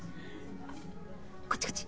こっちこっち。